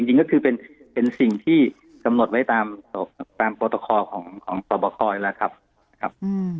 จริงก็คือเป็นสิ่งที่กำหนดไว้ตามโปรตคอของสอบคออยู่แล้วครับ